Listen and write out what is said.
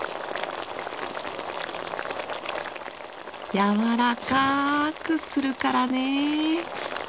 やわらかくするからね。